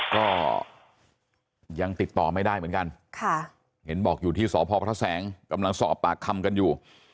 ก็ยังติดต่อไม่ได้เหมือนกันเห็นบอกอยู่ที่สพพระแสงกำลังสอบปากคำกันอยู่